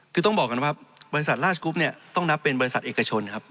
คือต้องบอกกันว่าบริษัทราชกรุ๊ปเนี่ยต้องนับเป็นบริษัทเอกชนครับ